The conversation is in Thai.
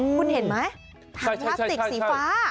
คุณเห็นไหมถังพลาสติกสีฟ้า